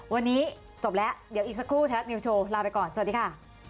วันนี้จบแล้วเดี๋ยวอีกสักครู่ไทยรัฐนิวโชว์ลาไปก่อนสวัสดีค่ะ